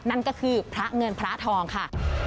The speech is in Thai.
นั่นก็คือพระเงินพระทองค่ะ